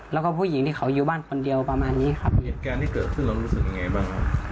แล้วก็ผู้หญิงที่เขาอยู่บ้านคนเดียวประมาณนี้ครับเหตุการณ์ที่เกิดขึ้นเรารู้สึกยังไงบ้างครับ